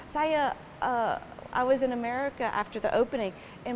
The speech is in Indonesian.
saya di amerika setelah pembukaan